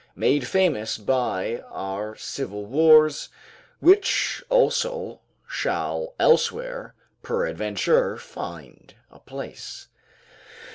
] made famous by our civil wars, which also shall elsewhere, peradventure, find a place.